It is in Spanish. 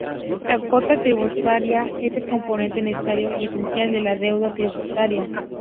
La cuota tributaria es el componente necesario y esencial de la deuda tributaria.